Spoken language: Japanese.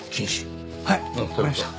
はい分かりました。